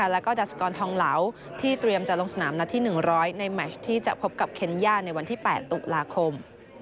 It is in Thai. แล้วก็ดาสกรทองเหลาที่เตรียมจะลงสนามนัดที่๑๐๐ในแมชที่จะพบกับเคนย่าในวันที่๘ตุลาคม